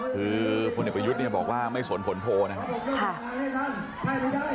คือพลเอกประยุทธ์เนี่ยบอกว่าไม่สนผลโพลนะครับ